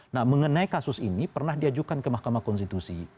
nah mengenai kasus ini pernah diajukan ke mahkamah konstitusi